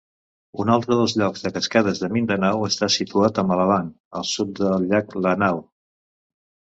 Un altre dels llocs de cascades de Mindanao està situat a Malabang, al sud del llac Lanao.